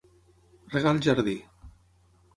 Regar el jardí.